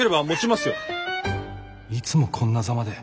いつもこんなザマで。